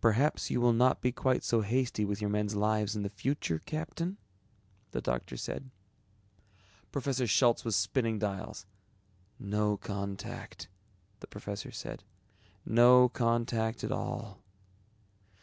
"Perhaps you will not be quite so hasty with your men's lives in the future, Captain?" the doctor said. Professor Schultz was spinning dials. "No contact," the professor said, "No contact at all."